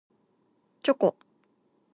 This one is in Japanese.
チョコ